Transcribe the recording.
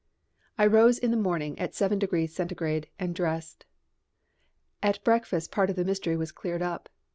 I rose in the morning at seven degrees Centigrade and dressed. At breakfast part of the mystery was cleared up.